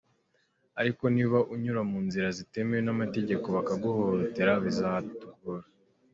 Ariko niba unyura mu nzira zitemewe n’amategeko, bakaguhohotera bizatugora.